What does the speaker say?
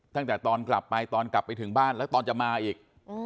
ตั้งแต่ตอนกลับไปตอนกลับไปถึงบ้านแล้วตอนจะมาอีก